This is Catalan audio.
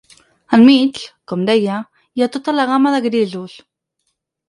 Enmig, com deia, hi ha tota la gamma de grisos.